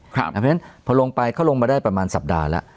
เพราะฉะนั้นพอลงไปเขาลงมาได้ประมาณสัปดาห์แล้ว